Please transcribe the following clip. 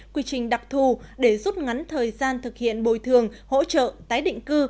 quy trình đặc thù để rút ngắn thời gian thực hiện bồi thường hỗ trợ tái định cư